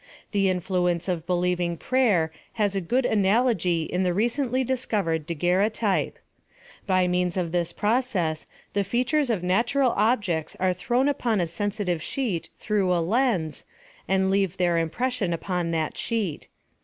The influence of believing prayer has a good analogy in the recently discovered Dageurotype. By means of this process the features of natural objects are thrown upon a sensitive sheet through a lens, and leave their impression upon that sheet.